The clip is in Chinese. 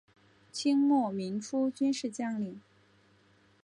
清末民初军事将领。